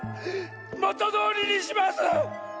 もとどおりにします！